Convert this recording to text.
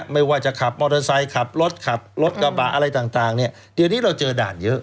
ไม่ว่าจะขับมอเตอร์ไซค์ขับรถขับรถกระบะอะไรต่างเนี่ยเดี๋ยวนี้เราเจอด่านเยอะ